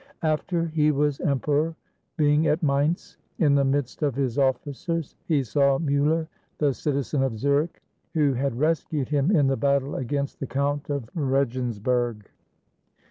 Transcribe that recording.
After he was Emperor, being at Mainz in the midst of his officers, he saw Miiller, the citizen of Zurich who 266 STORIES OF RUDOLF had rescued him in the battle against the Count of Re gensberg.